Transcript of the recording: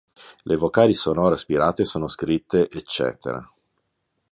Le vocali sonore aspirate sono scritte ecc.